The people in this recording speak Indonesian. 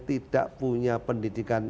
tidak punya pendidikan